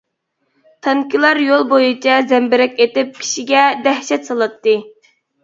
تانكىلار يول بويىچە زەمبىرەك ئېتىپ، كىشىگە دەھشەت سالاتتى.